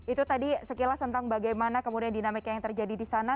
itu tadi sekilas tentang bagaimana kemudian dinamika yang terjadi di sana